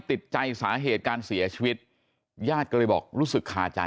ติดใจสาเหตุการเสียชีวิตญาติก็เลยบอกรู้สึกคาใจ